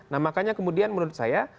nah makanya kemudian menurut saya